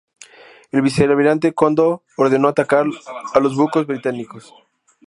El vicealmirante Kondo ordenó atacar a los buques británicos.